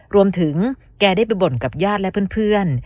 แกได้ไปบ่นกับญาติและเพื่อน